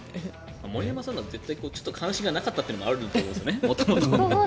森山さんは元々、関心がなかったというのもあると思うんですよね。